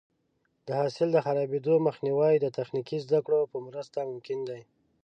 د حاصل د خرابېدو مخنیوی د تخنیکي زده کړو په مرسته ممکن دی.